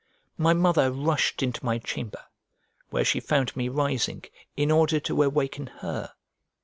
My mother rushed into my chamber, where she found me rising, in order to awaken her.